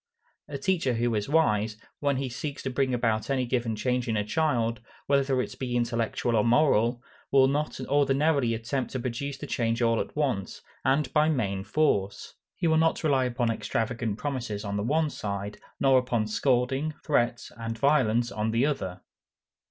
A teacher who is wise, when he seeks to bring about any given change in a child, whether it be intellectual or moral, will not ordinarily attempt to produce the change all at once, and by main force. He will not rely upon extravagant promises on the one side, nor upon scolding, threats, and violence on the other.